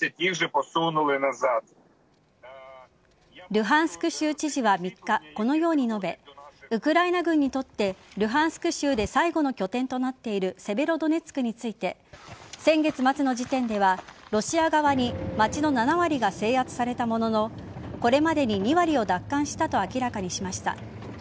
ルハンスク州知事は３日このように述べウクライナ軍にとってルハンスク州で最後の拠点となっているセベロドネツクについて先月末の時点ではロシア側に街の７割が制圧されたもののこれまでに２割を奪還したと明らかにしました。